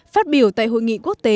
phát biểu tại hội nghị quốc tế